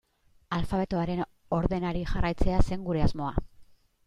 Alfabetoaren ordenari jarraitzea zen gure asmoa.